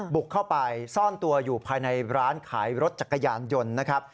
บุกเข้าไปซ่อนตัวอยู่ภายในร้านขายรถจักรยานยนต์นะครับ